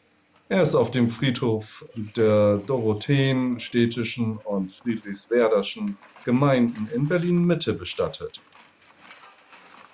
Er ist auf dem Friedhof der Dorotheenstädtischen und Friedrichswerderschen Gemeinden in Berlin-Mitte bestattet.